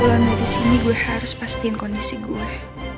mulai dari sini gue harus pastikan kondisi gue